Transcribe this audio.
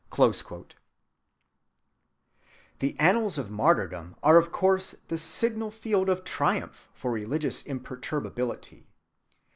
(171) The annals of martyrdom are of course the signal field of triumph for religious imperturbability.